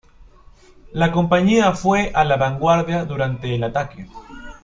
La compañía fue a la vanguardia durante el ataque.